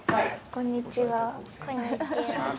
こんにちは。